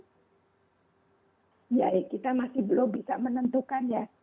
ya kita masih belum bisa menentukan ya